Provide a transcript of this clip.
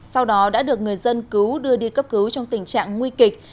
sau đó đã được người dân cứu đưa đi cấp cứu trong tình trạng nguy kịch